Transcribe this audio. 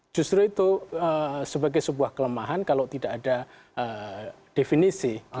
justru itu sebagai sebuah kelemahan kalau tidak ada definisi